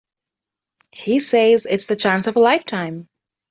He says it's the chance of a lifetime.